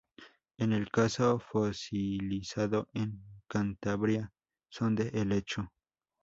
En el caso fosilizado en Cantabria son de helecho.